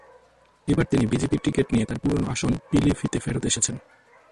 এবার তিনি বিজেপির টিকিট নিয়ে তাঁর পুরোনো আসন পিলিভিতে ফেরত এসেছেন।